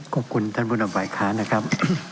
ขอบคุณท่านบุญภัยค่ะนะครับ